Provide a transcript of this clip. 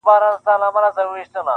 • له یوه کلي تر بل به ساعتونه -